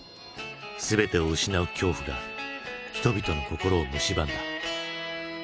全てを失う恐怖が人々の心をむしばんだ。